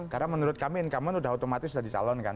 karena menurut kami inkamben sudah otomatis sudah dicalon kan